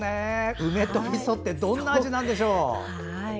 梅とみそってどんな味なんでしょう。